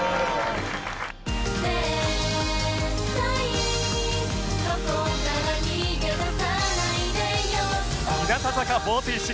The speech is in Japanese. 「絶対そこから逃げ出さないでよ」